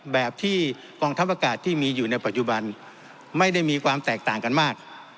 แบบที่กองทัพอากาศที่มีอยู่ในปัจจุบันไม่ได้มีความแตกต่างกันมาก